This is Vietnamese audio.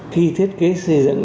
khi thiết kế xây dựng